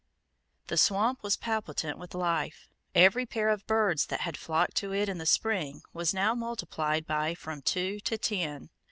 The swamp was palpitant with life. Every pair of birds that had flocked to it in the spring was now multiplied by from two to ten.